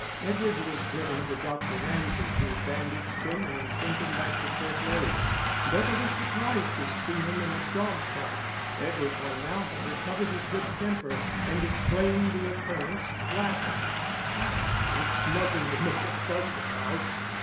Edward was driven to Dr. Ramsay, who bandaged him and sent him back to Court Leys. Bertha was surprised to see him in a dogcart. Edward by now had recovered his good temper, and explained the occurrence, laughing. "It's nothing to make a fuss about.